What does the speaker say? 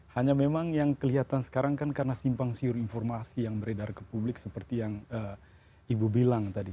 hanya memang yang kelihatan sekarang kan karena simpang siur informasi yang beredar ke publik seperti yang ibu bilang tadi